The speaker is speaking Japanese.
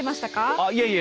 あっいえいえ